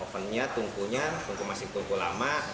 ovennya tungkunya tungku masih tungku lama